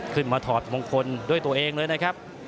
ถอดมงคลด้วยตัวเองเลยนะครับ